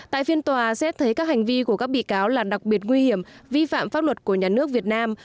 tại phiên tòa xét thấy các hành vi của các bị cáo là đặc biệt nguy hiểm vi phạm pháp luật của nhà nước việt nam